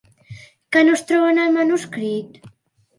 Què no es troba en el manuscrit?